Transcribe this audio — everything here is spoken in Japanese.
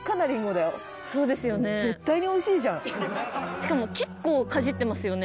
しかも結構かじってますよね。